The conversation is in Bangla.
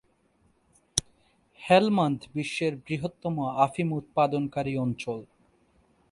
হেলমান্দ বিশ্বের বৃহত্তম আফিম-উৎপাদনকারী অঞ্চল।